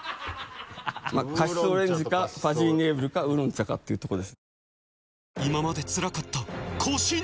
カシスオレンジかファジーネーブルかウーロン茶かっていうとこです。